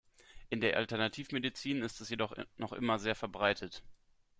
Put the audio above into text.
In der Alternativmedizin ist es jedoch noch immer sehr verbreitet.